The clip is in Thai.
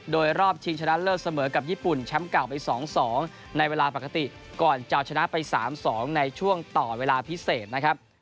โดยรอบชิงชนะเลิศเสมอกับญี่ปุ่นแชมป์เก่าไป๒๒ในเวลาปกติก่อนจะเอาชนะไป๓๒ในช่วงต่อเวลาพิเศษนะครับ